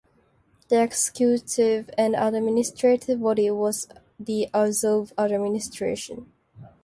The executive and administrative body was the Azov administration.